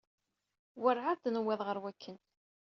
Ur ɛad i d-newwiḍ ɣer wakken.